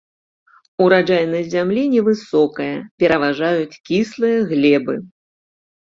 Ураджайнасць зямлі невысокая, пераважаюць кіслыя глебы.